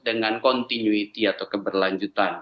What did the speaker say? dengan continuity atau keberlanjutan